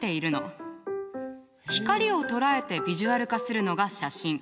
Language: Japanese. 光を捉えてビジュアル化するのが写真。